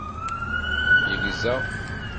Yegza.